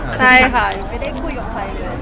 ใช่ค่ะยังไม่ได้คุยกับใครเลย